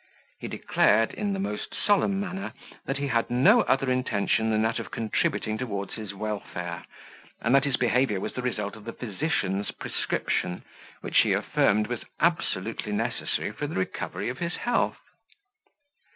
He declared, in the most solemn manner, that he had no other intention than that of contributing towards his welfare; and that his behaviour was the result of the physician's prescription, which he affirmed was absolutely necessary for the recovery of his health.